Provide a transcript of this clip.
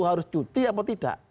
harus cuti atau tidak